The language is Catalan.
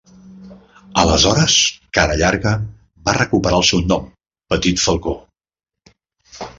Aleshores, "Cara Llarga" va recuperar el seu nom "Petit Falcó".